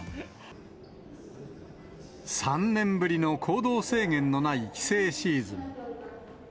３年ぶりの行動制限のない帰省シーズン。